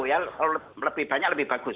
ya lebih banyak lebih bagus